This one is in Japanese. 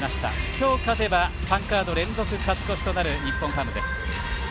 今日、勝てば３カード連続勝ち越しとなる日本ハムです。